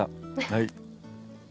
はい。